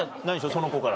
その子から。